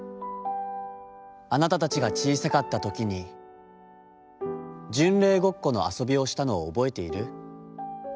『あなたたちが小さかった時に、『巡礼ごっこ』の遊びをしたのを覚えている？